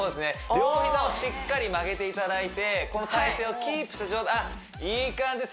両膝をしっかり曲げていただいてこの体勢をキープした状態あっいい感じです